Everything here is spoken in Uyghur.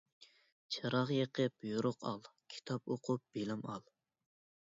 چىراغ يېقىپ يورۇق ئال، كىتاب ئوقۇپ بىلىم ئال.